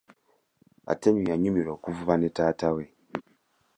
Atieno yanyumirwa okuvuba ne taata we.